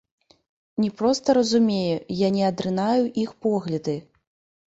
Не проста разумею, я не адрынаю іх погляды.